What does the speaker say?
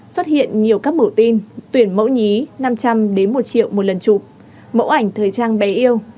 xuất hiện nhiều các mẫu tin tuyển mẫu nhí năm trăm linh một triệu một lần chụp mẫu ảnh thời trang bé yêu